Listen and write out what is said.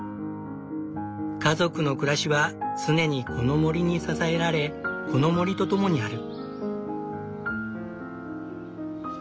家族の暮らしは常にこの森に支えられこの森とともにある。